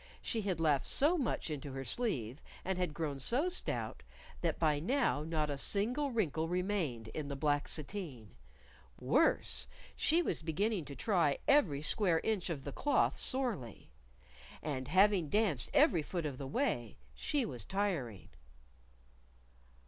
She had laughed so much into her sleeve, and had grown so stout, that by now not a single wrinkle remained in the black sateen; worse she was beginning to try every square inch of the cloth sorely. And having danced every foot of the way, she was tiring.